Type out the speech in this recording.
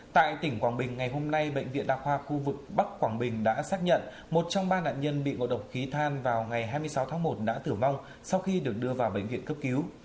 tại tỉnh quảng bình ngày hôm nay bệnh viện đa khoa khu vực bắc quảng bình đã xác nhận một trong ba nạn nhân bị ngộ độc khí than vào ngày hai mươi sáu tháng một đã tử vong sau khi được đưa vào bệnh viện cấp cứu